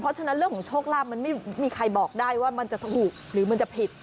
เพราะฉะนั้นเรื่องของโชคลาภมันไม่มีใครบอกได้ว่ามันจะถูกหรือมันจะผิด